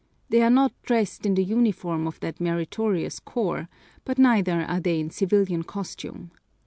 They are not dressed in the uniform of that meritorious corps, but neither are they in civilian costume.